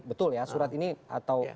betul ya surat ini atau